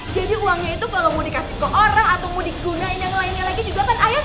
jadi uangnya itu kalau mau dikasih ke orang atau mau digunain yang lainnya lagi juga kan ayahmu